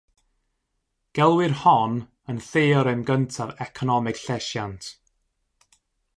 Gelwir hon yn Theorem Gyntaf Economeg Llesiant.